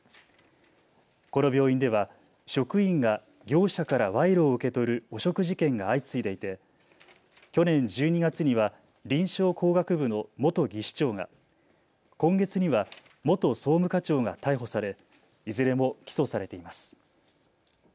この病院では職員が業者から賄賂を受け取る汚職事件が相次いでいて去年１２月には臨床工学部の元技士長が、今月には元総務課長が逮捕されいずれも起訴されています。